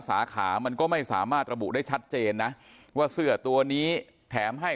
สาขามันก็ไม่สามารถระบุได้ชัดเจนนะว่าเสื้อตัวนี้แถมให้